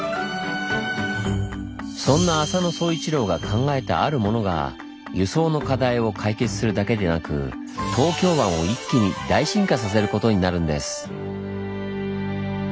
そんな浅野総一郎が考えたあるものが輸送の課題を解決するだけでなく東京湾を一気に大進化させることになるんです。